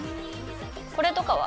これとかは？